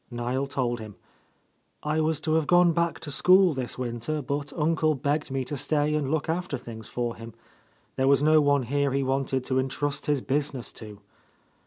Niel told him. "I was to have gone back to school this winter, but uncle begged me to stay and look after things for him. There was no erne here he wanted to entrust his business to."